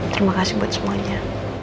terima kasih buat semuanya